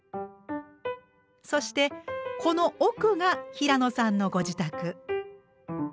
そしてこの奥が平野さんのご自宅。